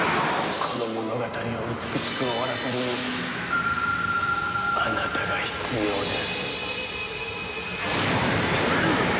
この物語を美しく終わらせるにはあなたが必要です。